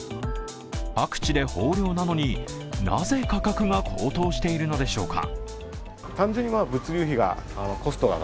各地で豊漁なのになぜ価格が高騰しているのでしょうか。